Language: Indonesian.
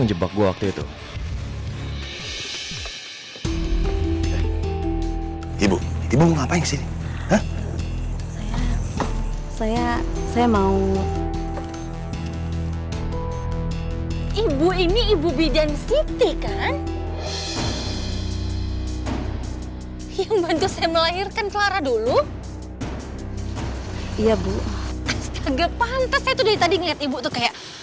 ibu kenapa sih kamu teriak